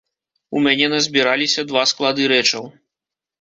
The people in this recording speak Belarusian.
У мяне назбіраліся два склады рэчаў.